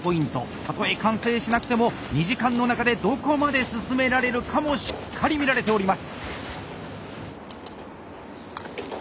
たとえ完成しなくても２時間の中でどこまで進められるかもしっかり見られております。